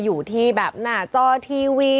อยู่ที่แบบหน้าจอทีวี